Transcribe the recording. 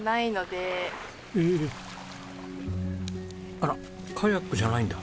あらカヤックじゃないんだ。